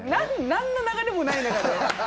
なんの流れもない中で？